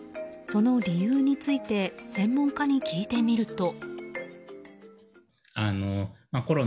その理由について専門家に聞いてみると。